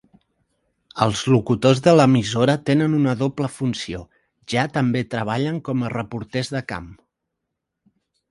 Els locutors de l'emissora tenen una doble funció, ja també treballen com a reporters de camp.